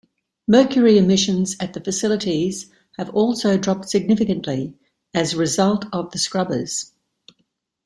Mercury emissions at the facilities have also dropped significantly as result of the scrubbers.